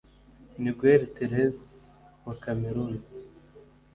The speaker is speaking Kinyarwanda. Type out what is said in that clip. Neguel Therese wa Cameroun